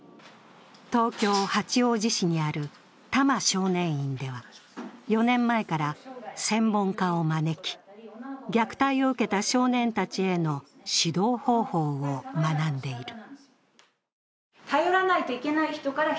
東京・八王子市にある多摩少年院では、４年前から専門家を招き、虐待を受けた少年たちへの指導方法を学んでいる。